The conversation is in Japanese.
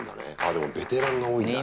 でも、ベテランが多いんだね。